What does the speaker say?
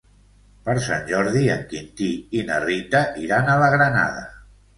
Per Sant Jordi en Quintí i na Rita iran a la Granada.